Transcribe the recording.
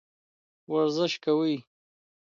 ورزش کوئ.